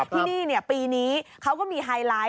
ที่นี่ปีนี้เขาก็มีไฮไลท์